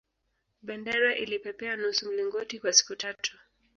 bendera ilipepea nusu mlingoti kwa siku tatu